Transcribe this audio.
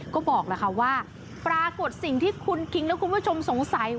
ก็บอกแล้วค่ะว่าปรากฏสิ่งที่คุณคิงและคุณผู้ชมสงสัย